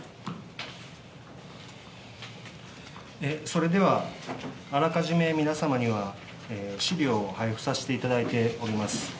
それでは、あらかじめ皆様には、資料を配布させていただいております。